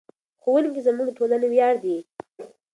ښوونکي زموږ د ټولنې ویاړ دي.